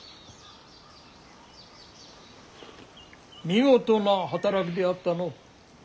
見事な働きであったの。